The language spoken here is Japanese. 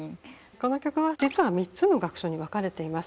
この曲は実は３つの楽章に分かれています。